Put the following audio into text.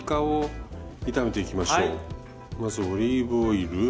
まずオリーブオイル。